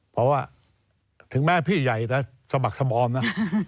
เพราะว่าถึงแม้พี่ใหญ่จะสะบักสบอมนะ